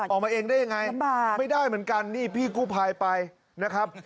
ออกมาเองได้ยังไงไม่ได้เหมือนกันนี่พี่กู้ภัยไปนะครับ